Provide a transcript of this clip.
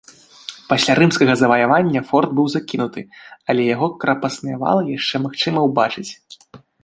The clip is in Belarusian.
Пасля рымскага заваявання форт быў закінуты, але яго крапасныя валы яшчэ магчыма ўбачыць.